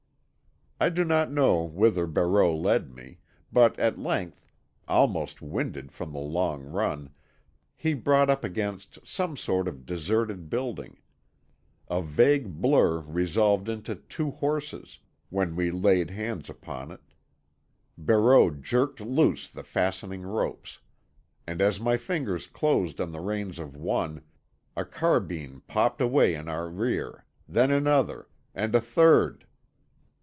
I do not know whither Barreau led me, but at length, almost winded from the long run, he brought up against some sort of deserted building. A vague blur resolved into two horses, when we laid hands upon it. Barreau jerked loose the fastening ropes. And as my fingers closed on the reins of one, a carbine popped away in our rear, then another, and a third.